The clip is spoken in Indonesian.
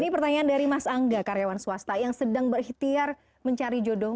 ini pertanyaan dari mas angga karyawan swasta yang sedang berikhtiar mencari jodoh